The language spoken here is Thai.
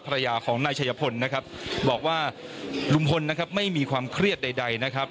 ภรรยาของนายชัยพลนะครับบอกว่าลุงพลนะครับไม่มีความเครียดใดนะครับ